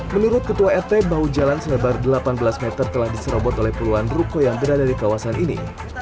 menurut ketua rt bahu jalan selebar delapan belas meter telah diserobot oleh puluhan ruko yang berada di kawasan ini